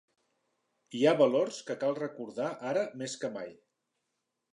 Hi ha valors que cal recordar ara més que mai.